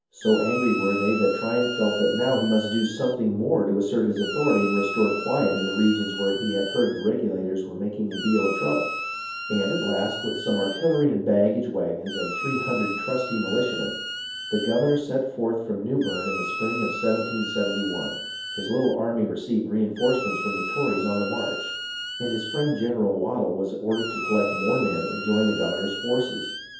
So angry were they that Tryon felt that now he must do something more to assert his authority and restore quiet in the regions where he had heard the Regulators were making a deal of trouble ; and at last, with some artillery and baggage wagons and 30 HISTORY OF THE AMERICAN REVOLUTION three hundred trusty mihtiamen, the governor set forth from Newbern in the spring of 1771. His little army re ceived reenforcements from the Tories on the march, and his friend General Waddel was ordered to collect more men and join the governor's forces.